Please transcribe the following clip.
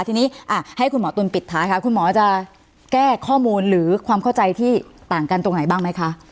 ทีนี้ให้คุณหมอตุ๋นปิดท้ายค่ะคุณหมอจะแก้ข้อมูลหรือความเข้าใจที่ต่างกันตรงไหนบ้างไหมคะ